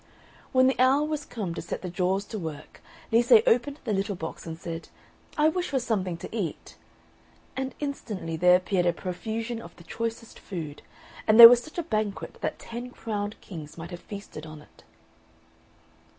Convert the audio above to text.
When the hour was come to set the jaws to work Lise opened the little box and said, "I wish for something to eat." And instantly there appeared a profusion of the choicest food, and there was such a banquet that ten crowned kings might have feasted on it.